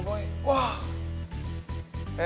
terima kasih fisan